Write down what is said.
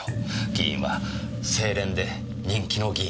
議員は清廉で人気の議員です。